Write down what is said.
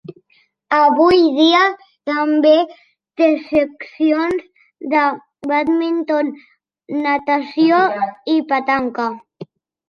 Avui dia també té seccions de bàdminton, natació i petanca.